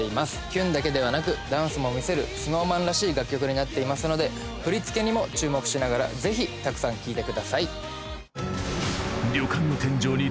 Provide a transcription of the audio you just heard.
キュンだけではなくダンスもみせるＳｎｏｗＭａｎらしい楽曲になっていますので振り付けにも注目しながらぜひたくさん聴いてください